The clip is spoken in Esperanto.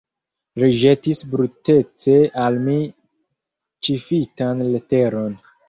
Li ĵetis brutece al mi ĉifitan leteron.